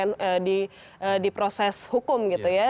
karena itu harusnya sudah selesai di proses hukum gitu ya